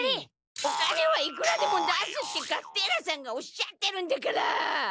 「お金はいくらでも出す」ってカステーラさんがおっしゃってるんだから。